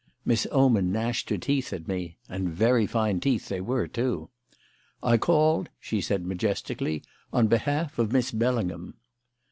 Miss Oman gnashed her teeth at me (and very fine teeth they were, too). "I called," she said majestically, "on behalf of Miss Bellingham."